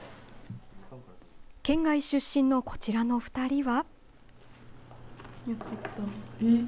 県外出身のこちらの２人は。